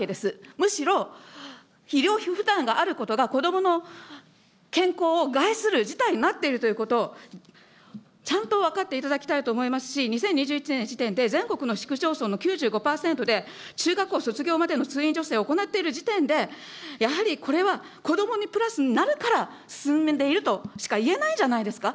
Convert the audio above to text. むしろ、医療費負担があることが、子どもの健康を害する事態になっているということを、ちゃんと分かっていただきたいと思いますし、２０２１年の時点で全国の市区町村のの中学校卒業までの通院助成を行っている時点で、やはりこれは子どもにプラスになるから進んでいるとしかいえないんじゃないですか。